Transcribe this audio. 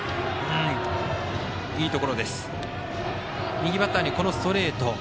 右バッターにストレート。